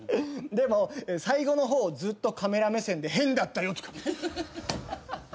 「でも最後の方ずっとカメラ目線で変だったよ」